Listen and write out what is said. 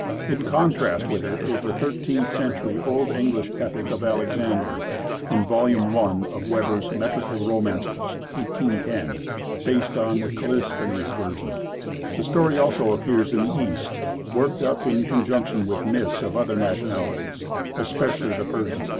In contrast with it is the thirteenth century Old English epic of Alexander (in vol. i. of Weber's "Metrical Romances," 1810), based on the Callisthenes version. The story appears also in the East, worked up in conjunction with myths of other nationalities, especially the Persian.